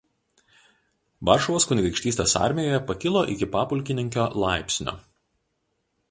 Varšuvos kunigaikštystės armijoje pakilo iki papulkininkio laipsnio.